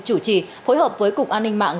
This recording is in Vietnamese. chủ trì phối hợp với cục an ninh mạng